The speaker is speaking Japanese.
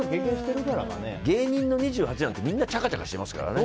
芸人の２８なんてみんなチャカチャカしてますからね。